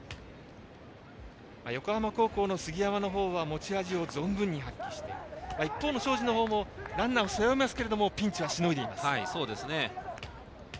横浜高校の杉山のほうは持ち味を存分に発揮して一方の庄司のほうもランナーを背負いますがピンチはしのいでいます。